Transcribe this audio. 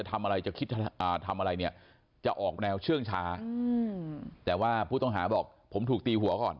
แต่ว่าผู้ตองหาบอกผมถูกตีหัวก่อน